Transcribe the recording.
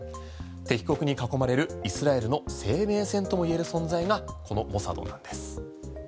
敵国に囲まれるイスラエルの生命線ともいえる存在がこのモサドなんです。